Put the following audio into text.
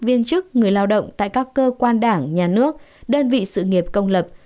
viên chức người lao động tại các cơ quan đảng nhà nước đơn vị sự nghiệp công lập